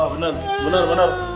benar benar benar